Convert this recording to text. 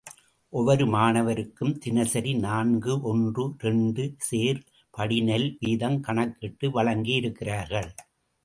ஒவ்வொரு மாணவருக்கும் தினசரி நான்கு ஒன்று இரண்டு சேர் படி நெல் வீதம் கணக்கிட்டு வழங்கியிருக்கிறார்கள்.